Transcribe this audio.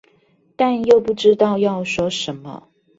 但又不知道要說什麼